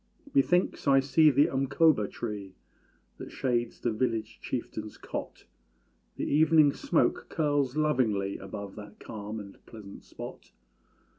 Methinks I see the umkóba tree That shades the village chieftain's cot; The evening smoke curls lovingly Above that calm and pleasant spot.